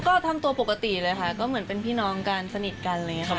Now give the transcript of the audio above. ก็ทำตัวปกติเลยค่ะก็เหมือนเป็นพี่น้องกันสนิทกันอะไรอย่างนี้ค่ะ